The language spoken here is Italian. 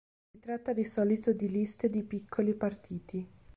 Si tratta di solito di liste di piccoli partiti.